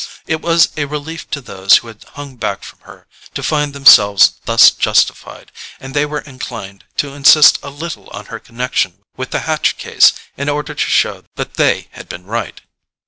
It was a relief to those who had hung back from her to find themselves thus justified, and they were inclined to insist a little on her connection with the Hatch case in order to show that they had been right.